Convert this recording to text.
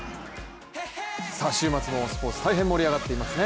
週末もスポーツ、大変盛り上がっていますね。